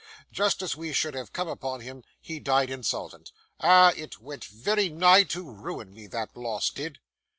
Just as we should have come upon him, he died insolvent. Ah! it went very nigh to ruin me, that loss did!